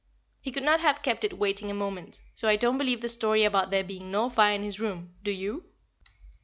He could not have kept it waiting a moment; so I don't believe the story about there being no fire in his room, do you?